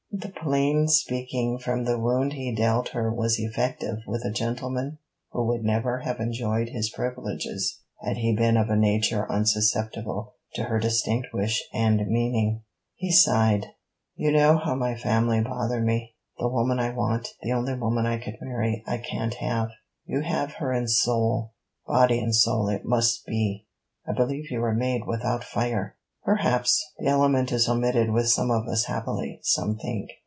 The plain speaking from the wound he dealt her was effective with a gentleman who would never have enjoyed his privileges had he been of a nature unsusceptible to her distinct wish and meaning. He sighed. 'You know how my family bother me. The woman I want, the only woman I could marry, I can't have.' 'You have her in soul.' 'Body and soul, it must be! I believe you were made without fire.' 'Perhaps. The element is omitted with some of us happily, some think.